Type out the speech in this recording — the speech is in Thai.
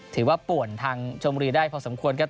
ถือว่าปว่นทางชนบุรีได้พอสมควรครับ